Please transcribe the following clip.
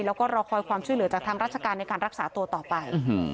แล้วก็รอคอยความช่วยเหลือจากทางราชการในการรักษาตัวต่อไป